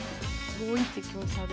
５一香車で。